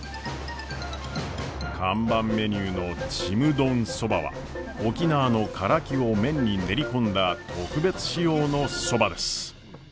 看板メニューのちむどんそばは沖縄のカラキを麺に練り込んだ特別仕様のそばです。